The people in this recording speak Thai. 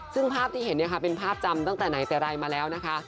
ซึ่งภาพที่เห็นเนี่ยค่ะเป็นภาพจำตั้งแต่ไหนแต่ไรมาแล้วนะคะ